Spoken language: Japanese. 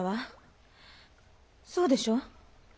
そうでしょう？